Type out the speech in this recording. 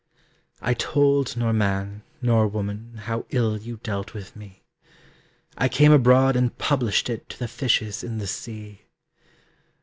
I told nor man, nor woman How ill you dealt with me; I came abroad and published it To the fishes in the sea.